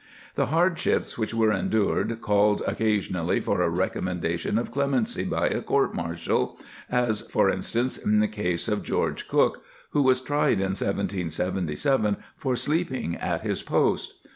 '' The hardships which were endured called occasionally for a rec ommendation of clemency by a court martial, as, for instance, in the case of George Cook, who was tried in 1777 for sleeping at his post.